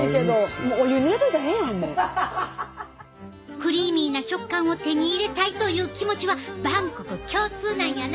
クリーミーな食感を手に入れたいという気持ちは万国共通なんやな！